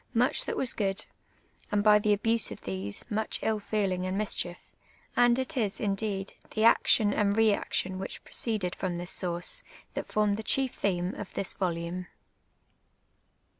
niucli that was ^ood, and by the abuse of tliese, much ill feeling and mischief; and it is, indeed, the action and reaction which proceeded from this source, that foriu the chief theme of this volume.